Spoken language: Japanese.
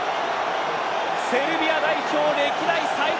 セルビア代表歴代最多